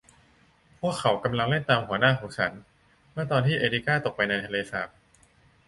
พวกเขากำลังเล่นตามหัวหน้าของฉัน เมื่อตอนที่เอริก้าตกไปในทะเลสาบ